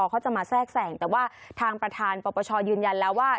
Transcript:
เขาจะมาแทรกแสงแต่ว่าทางประธานปปชยืนยันแล้วว่า